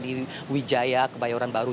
di wijaya kebayoran baru